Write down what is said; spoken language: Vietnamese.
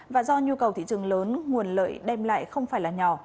và do nhu cầu thị trường lớn nguồn lợi đem lại không phải là nhỏ